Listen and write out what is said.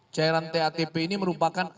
cairan tatp ini merupakan